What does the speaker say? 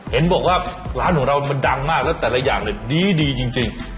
เห็นบอกว่าร้านของเรามันดังมากแล้วแต่ละอย่างเนี่ยดีจริง